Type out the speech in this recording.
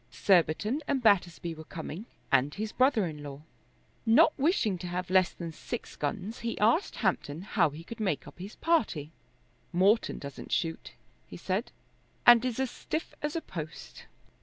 Surbiton and Battersby were coming, and his brother in law. Not wishing to have less than six guns he asked Hampton how he could make up his party. "Morton doesn't shoot," he said, "and is as stiff as a post."